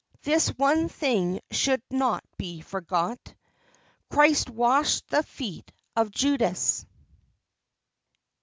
this one thing should not be forgot: Christ washed the feet of Judas.